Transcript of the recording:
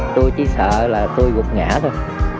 tôi chỉ sợ là tôi gục ngã thôi